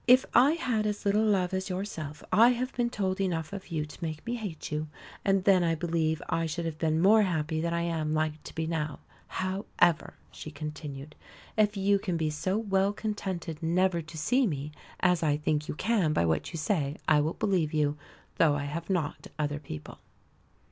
"If I had as little love as yourself, I have been told enough of you to make me hate you, and then I believe I should have been more happy than I am like to be now. However," she continued, "if you can be so well contented never to see me, as I think you can by what you say, I will believe you, though I have not other people."